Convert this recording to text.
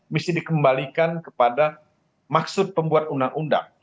mesti dikembalikan kepada maksud pembuat undang undang